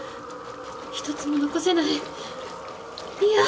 一つも残せない嫌！